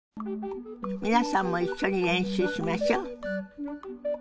皆さんも一緒に練習しましょ。